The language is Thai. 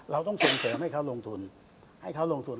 เราต้องส่งเสริมให้เขาลงทุนให้เขาลงทุน